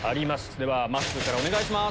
ではまっすーからお願いします。